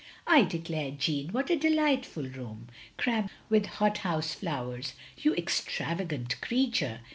"I declare, Jeanne, what a delightful room! Crammed with hothouse flowers — ^you extra vagant creature!